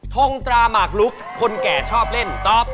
ทงตราหมากลุกคนแก่ชอบเล่นตอบ